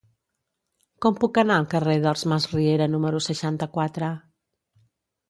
Com puc anar al carrer dels Masriera número seixanta-quatre?